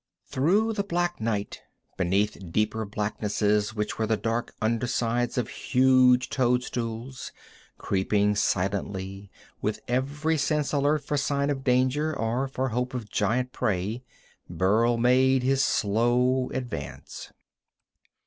Through the black night, beneath deeper blacknesses which were the dark undersides of huge toadstools, creeping silently, with every sense alert for sign of danger or for hope of giant prey, Burl made his slow advance.